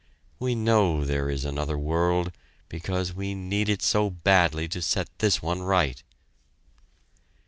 We know there is another world, because we need it so badly to set this one right!